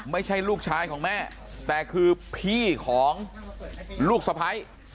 ไม่ใช่ลูกชายของแม่แต่คือพี่ของลูกสะพ้าย